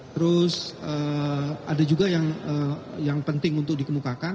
terus ada juga yang penting untuk dikemukakan